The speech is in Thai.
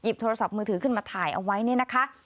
โทรศัพท์มือถือขึ้นมาถ่ายเอาไว้เนี่ยนะคะ